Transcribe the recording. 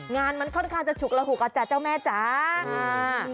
งานมันค่อนข้างจะฉุกระหุกอ่ะจ้ะเจ้าแม่จ้า